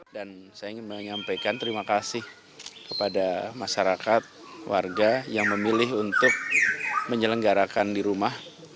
dan saya ingin menyampaikan terima kasih kepada masyarakat warga yang memilih untuk menyelenggarakan di rumah